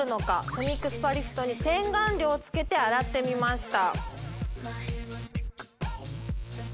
ソニックスパリフトに洗顔料をつけて洗ってみました